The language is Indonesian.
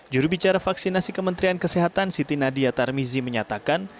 juru bicara vaksinasi kementerian kesehatan siti nadia tarmizi menyatakan